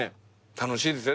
楽しいですよ